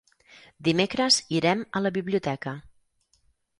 Dimecres irem a la biblioteca.